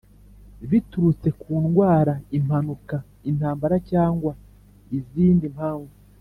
biturutse ku ndwara, impanuka, intambara cyangwa izindi mpamvu